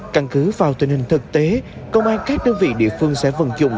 căn cứ vào tình hình thực tế công an các đơn vị địa phương sẽ vận dụng